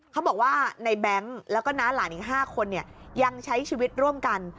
เขาบอกว่าในแบงค์แล้วก็น้าหลานอีก๕คนยังใช้ชีวิตร่วมกัน